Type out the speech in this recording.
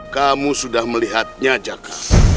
kamu sudah melihatnya jaka